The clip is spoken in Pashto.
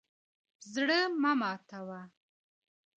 زړه مه ماتوه.